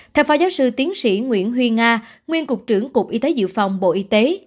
theo phó giáo sư tiến sĩ nguyễn huy nga nguyên cục trưởng cục y tế dự phòng bộ y tế